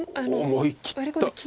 思い切った。